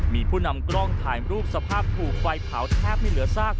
มีผู้นำกล้องถ่ายรูปสภาพถูกไฟเผาแทบไม่เหลือซาก